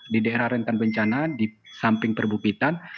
di daerah rentan bencana di samping perbukitan